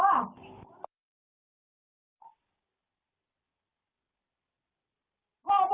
ไม่สายมันคิดสายแบบนี้ได้ไง